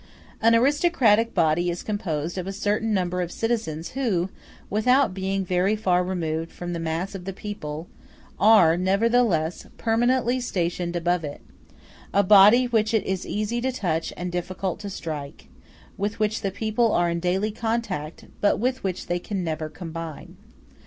An aristocratic body is composed of a certain number of citizens who, without being very far removed from the mass of the people, are, nevertheless, permanently stationed above it: a body which it is easy to touch and difficult to strike; with which the people are in daily contact, but with which they can never combine.